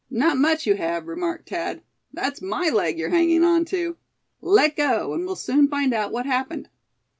"Not much you have," remarked Thad, "that's my leg you're hanging on to. Let go, and we'll soon find out what happened."